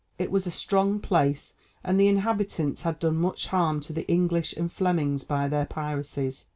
It was a strong place, and the inhabitants had done much harm to the English and Flemings by their piracies.